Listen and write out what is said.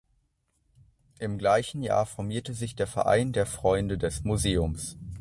Im gleichen Jahr formierte sich der Verein der Freunde des Museums.